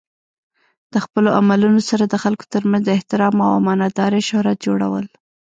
د خپلو عملونو سره د خلکو ترمنځ د احترام او امانت دارۍ شهرت جوړول.